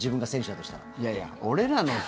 いやいや、俺らのさ。